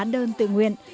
đơn tự nguyện